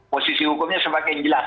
posisi hukumnya semakin jelas